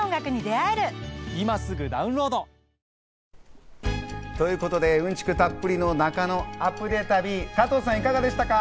今すぐダウンロード！ということで、うんちくたっぷりの中野アプデ旅、加藤さん、いかがでしたか？